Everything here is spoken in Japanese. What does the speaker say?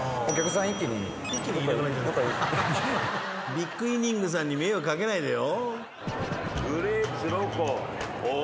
ビッグイニングさんに迷惑かけないでよ。